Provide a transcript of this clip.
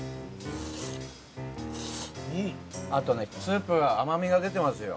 あとねスープが甘みが出てますよ。